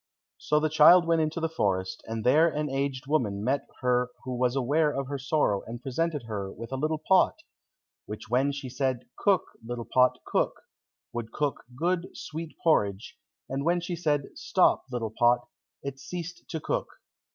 So the child went into the forest, and there an aged woman met her who was aware of her sorrow, and presented her with a little pot, which when she said, "Cook, little pot, cook," would cook good, sweet porridge, and when she said, "Stop, little pot," it ceased to cook.